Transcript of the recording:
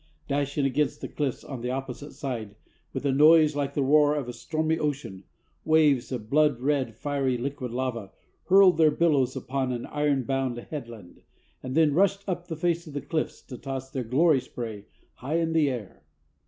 Dashing against the cliffs on the opposite side, with a noise like the roar of a stormy ocean, waves of blood red fiery liquid lava hurled their billows upon an iron bound headland, and then rushed up the face of the cliffs to toss their gory spray high in the air.